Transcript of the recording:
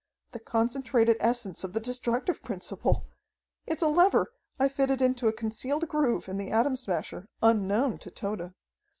"The concentrated essence of the destructive principle. It's a lever I fitted into a concealed groove in the Atom Smasher unknown to Tode.